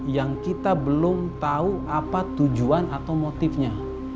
yang kita belum tahu apa tujuan atau motifnya